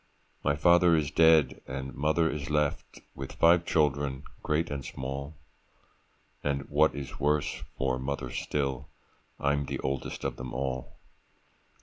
'My father is dead, and mother is left With five children, great and small; And what is worse for mother still, I'm the oldest of them all.